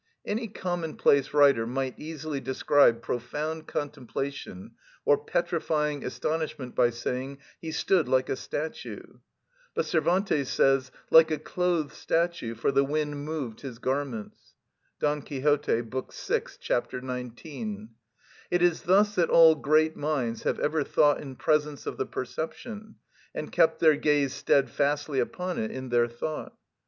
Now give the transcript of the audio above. Any commonplace writer might easily describe profound contemplation or petrifying astonishment by saying: "He stood like a statue;" but Cervantes says: "Like a clothed statue, for the wind moved his garments" (Don Quixote, book vi. ch. 19). It is thus that all great minds have ever thought in presence of the perception, and kept their gaze steadfastly upon it in their thought.